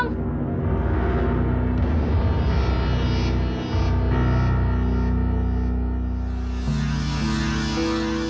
maaf banyak urusan